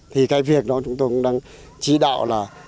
thì cái việc đó chúng tôi cũng đang chỉ đạo là